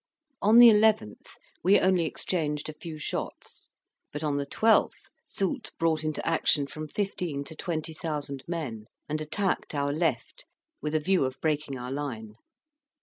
On the 11th, we only exchanged a few shots, but on the 12th Soult brought into action from fifteen to twenty thousand men, and attacked our left with a view of breaking our line.